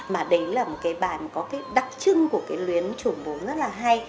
mà đấy là một cái bài có cái đặc trưng của cái luyến trùm bốn rất là hay